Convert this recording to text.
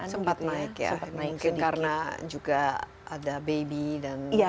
sempat naik ya mungkin karena juga ada baby dan